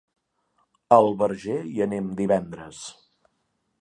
A el Verger hi anem divendres.